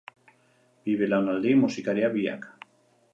Bi belaunaldi, musikariak biak.